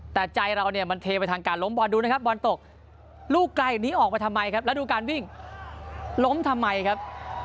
แต่ใจเราเนี่ยมันเทไปทางการล้มบอลดูนะครับบอลตกลูกไกลนี้ออกไปทำไมครับแล้วดูการวิ่งล้มทำไมครับ